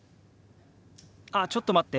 「ああちょっと待って。